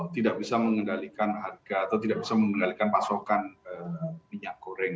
tidak bisa mengendalikan harga atau tidak bisa mengendalikan pasokan minyak goreng